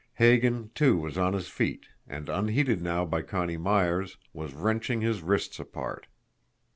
Hagan, too, was on his feet, and, unheeded now by Connie Myers, was wrenching his wrists apart.